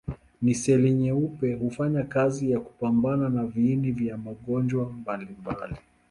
Seli nyeupe hufanya kazi ya kupambana na viini vya magonjwa mbalimbali.